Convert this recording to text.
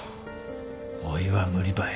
おいは無理ばい。